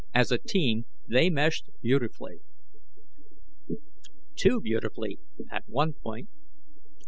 As a team, they meshed beautifully. Too beautifully, at one point.